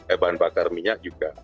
ada akar minyak juga